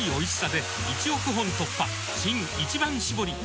新「一番搾り」